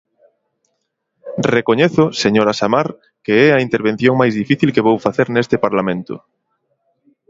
Recoñezo, señora Samar, que é a intervención máis difícil que vou facer neste parlamento.